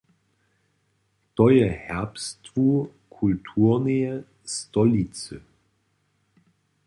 To je herbstwu kulturneje stolicy.